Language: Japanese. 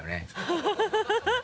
ハハハ